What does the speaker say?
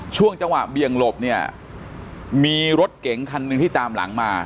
ช่วงจังหวะเบี่ยงหลบเนี่ยมีรถเก๋งคันหนึ่งที่ตามหลังมา